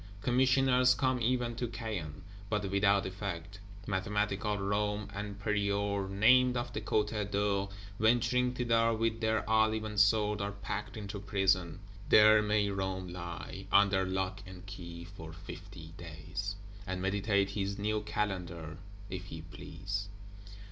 Commissioners come even to Caen; but without effect. Mathematical Romme, and Prieur named of the Côte d'Or, venturing thither, with their olive and sword, are packed into prison: there may Romme lie, under lock and key, "for fifty days"; and meditate his New Calendar, if he please.